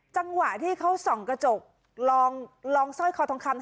จังหวะที่เขาส่องกระจกลองสร้อยคอทองคำ